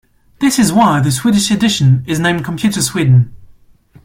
This is why the Swedish edition is named Computer Sweden.